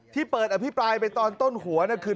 ที่เปิดอภิปรายไปตอนต้นหัวคือ